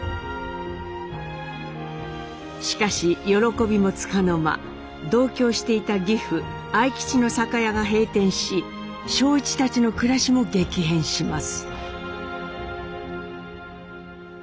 しかし喜びもつかの間同居していた義父愛吉の酒屋が閉店し正一たちの暮らしも激変します。